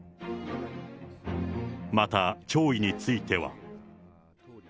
また、弔意については。